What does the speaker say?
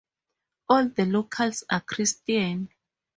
All the locals are Christian.